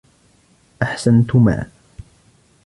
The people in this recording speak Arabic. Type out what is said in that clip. أحسنتما.